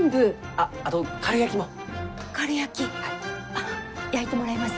あっ焼いてもらいます。